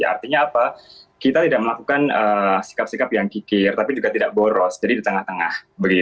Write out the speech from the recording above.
artinya apa kita tidak melakukan sikap sikap yang kikir tapi juga tidak boros jadi di tengah tengah